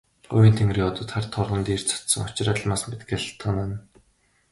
Говийн тэнгэрийн одод хар торгон дээр цацсан очир алмаас мэт гялтганан.